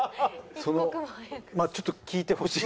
そのまあちょっと聞いてほしい。